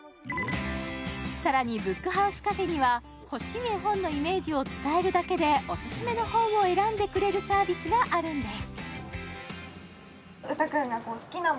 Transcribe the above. さらにブックハウスカフェにはほしい絵本のイメージを伝えるだけでおすすめの本を選んでくれるサービスがあるんです